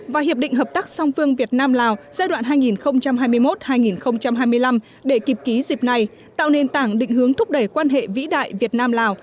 và hiệp định hợp tác song phương việt nam lào giai đoạn hai nghìn hai mươi một hai nghìn hai mươi năm để kịp ký dịp này tạo nền tảng định hướng thúc đẩy quan hệ vĩ đại việt nam lào